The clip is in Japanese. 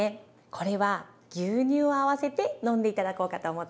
これは牛乳を合わせて飲んで頂こうかと思っています。